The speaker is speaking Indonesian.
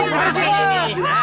agak gedean kali ini